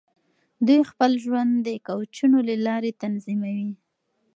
دوی خپل ژوند د کوچونو له لارې تنظیموي.